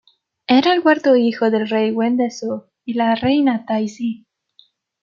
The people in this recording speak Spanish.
Era el cuarto hijo del rey Wen de Zhou y la reina Tai Si.